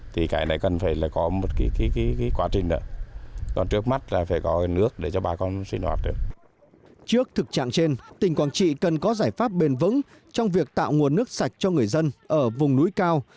trước thực trạng trên tỉnh quảng trị cần có giải pháp bền vững trong việc tạo nguồn nước sạch cho người dân ở vùng núi cao